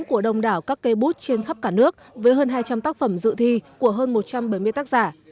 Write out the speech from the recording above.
của đông đảo các cây bút trên khắp cả nước với hơn hai trăm linh tác phẩm dự thi của hơn một trăm bảy mươi tác giả